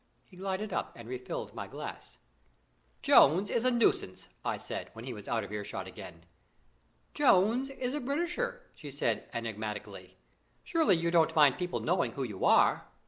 He glided up and re filled my glass. "Jones is a nuisance," I said, when he was out of earshot again. "Jones is a Britisher!" she said enigmatically. "Surely you don't mind people knowing who you are?"